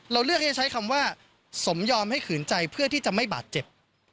เลือกที่จะใช้คำว่าสมยอมให้ขืนใจเพื่อที่จะไม่บาดเจ็บ